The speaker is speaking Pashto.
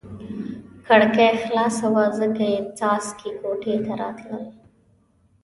کړکۍ خلاصه وه ځکه یې څاڅکي کوټې ته راتلل.